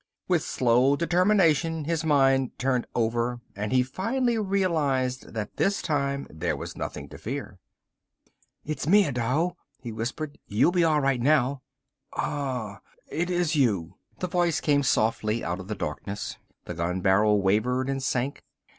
With slow determination his mind turned over and he finally realized that this time there was nothing to fear. "It's me, Adao," he whispered. "You'll be all right now." "Ahh, it is you " the voice came softly out of the darkness, the gun barrel wavered and sank.